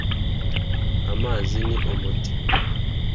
amazi ni umuti!